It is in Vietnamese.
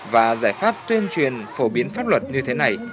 và giải pháp tuyên truyền phổ biến pháp luật như thế này